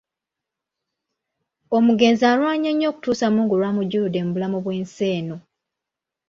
Omugenzi alwanye nnyo okutuusa mungu lw’amujjuludde mu bulamu bw’ensi eno.